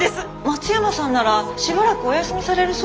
松山さんならしばらくお休みされるそうですよ。